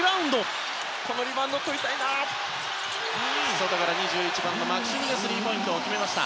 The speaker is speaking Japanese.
外から２１番マクシュニがスリーポイントを決めました。